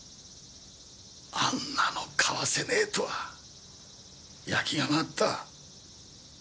あんなのかわせねえとは焼きが回った。